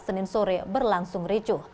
senin sore berlangsung ricuh